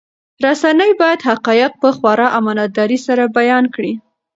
رسنۍ باید حقایق په خورا امانتدارۍ سره بیان کړي.